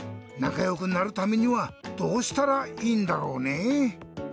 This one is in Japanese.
なかよくなるためにはどうしたらいいんだろうねぇ？